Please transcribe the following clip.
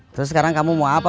terus sekarang kamu mau apa